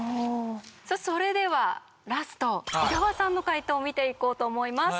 それではラスト伊沢さんの解答を見ていこうと思います。